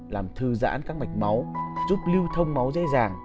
làm thư giãn các mạch máu giúp lưu thông máu dễ dàng